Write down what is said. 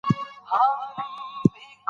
افغانستان د زرګونو کلونو تاریخ لري.